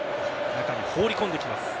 中に放り込んできます。